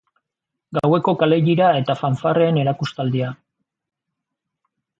Gaueko kalejira eta fanfarreen erakustaldia.